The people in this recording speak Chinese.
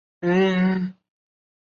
鸟井坂面影堂魔法使魔法指环